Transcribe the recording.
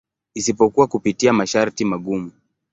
Isipokuwa kupitia masharti magumu.